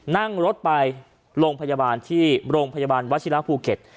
นั่งรถไปโรงพยาบาลวชิลาภูเก็ต